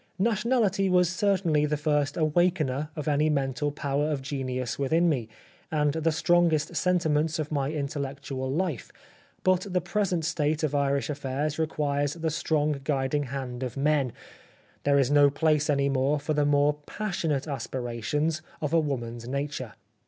Nationality was certainly the first awakener of any mental power of genius within me, and the strongest sentiments of my intellectual life, but the present state of Irish affairs requires the strong guiding hand of men, there is no place any more for the more passionate aspirations of a woman's nature."